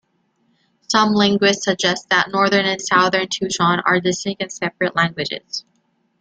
Some linguists suggest that Northern and Southern Tutchone are distinct and separate languages.